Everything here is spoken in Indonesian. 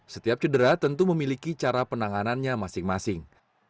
setiap cedera tentu memiliki cara penanganannya masing masing